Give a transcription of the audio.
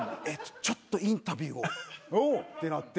「ちょっとインタビューを」ってなって。